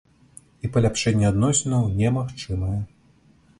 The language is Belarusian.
І паляпшэнне адносінаў немагчымае.